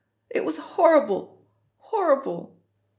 It was horrible, horrible!"